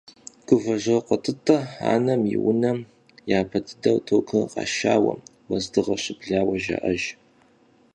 Гувэжокъуэ ТӀытӀэ анэм и унэм япэ дыдэу токыр къашауэ, уэздыгъэ щыблауэ жаӀэ.